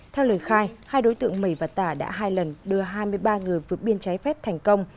theo lời khai hai đối tượng mẩy và tả đã hai lần đưa hai mươi ba người vượt biên trái phép thành công